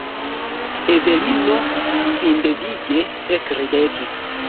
Evelino sindevige ekridetis.